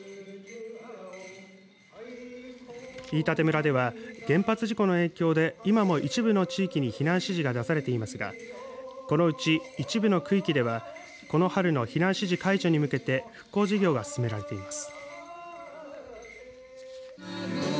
飯舘村では原発事故の影響で今も一部の地域に避難指示が出されていますがこのうち一部の区域ではこの春の避難指示解除に向けて復興事業が進められています。